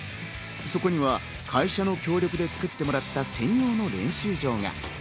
そこには会社の協力で造ってもらった専用の練習場が。